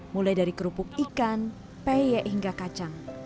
mulai dari kerupuk ikan peye hingga kacang